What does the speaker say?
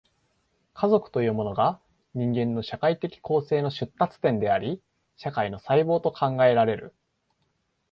家族というものが、人間の社会的構成の出立点であり、社会の細胞と考えられる。